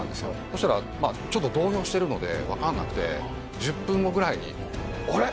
そしたらちょっと動揺してるのでわからなくて１０分後ぐらいにあれ？